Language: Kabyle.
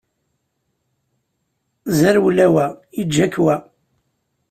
Ẓerwel a wa, iǧǧa-k wa!